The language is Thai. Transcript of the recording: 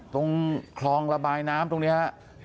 ตรงคลองระบายน้ำตรงนี้ฮะ